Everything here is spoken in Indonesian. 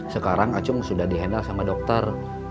sekarang acung sudah dihendal sama dokter